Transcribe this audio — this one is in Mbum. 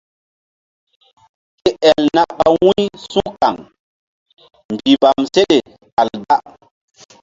Ke el na ɓa wu̧y su̧kaŋ mbihmbam seɗe kal da.